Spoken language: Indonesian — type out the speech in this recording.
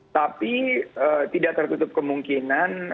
tapi tidak tertutup kemungkinan